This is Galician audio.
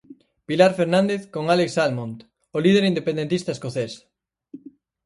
Pilar Fernández con Alex Salmond, o líder independentista escocés.